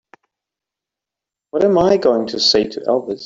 What am I going to say to Elvis?